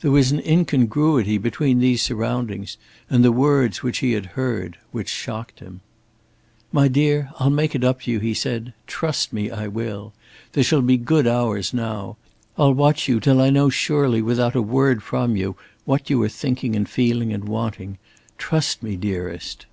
There was an incongruity between these surroundings and the words which he had heard which shocked him. "My dear, I'll make it up to you," he said. "Trust me, I will! There shall be good hours, now. I'll watch you, till I know surely without a word from you what you are thinking and feeling and wanting. Trust me, dearest!"